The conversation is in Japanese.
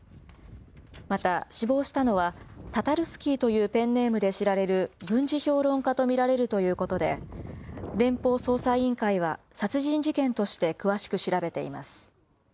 また、死亡したのは、タタルスキーと呼ばれるペンネームで知られる軍事評論家と見られるということで、連邦捜査委員会は殺人事件として詳しく調べています。